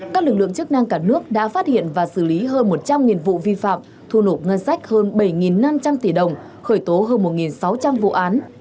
các lực lượng chức năng cả nước đã phát hiện và xử lý hơn một trăm linh vụ vi phạm thu nộp ngân sách hơn bảy năm trăm linh tỷ đồng khởi tố hơn một sáu trăm linh vụ án